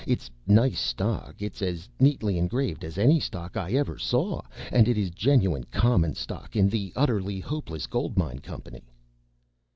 It's nice stock. It's as neatly engraved as any stock I ever saw, and it is genuine common stock in the Utterly Hopeless Gold Mine Company."